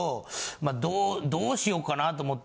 まあどうしようかなと思って。